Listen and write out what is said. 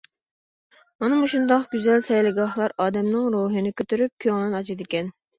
مانا مۇشۇنداق گۈزەل سەيلىگاھلار ئادەمنىڭ روھىنى كۆتۈرۈپ كۆڭلىنى ئاچىدىكەن.